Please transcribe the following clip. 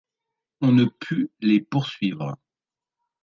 On ne put les poursuivre.